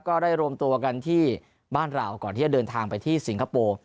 ก็ได้รวมตัวกันที่บ้านเราก่อนที่จะเดินทางไปที่สิงคโปร์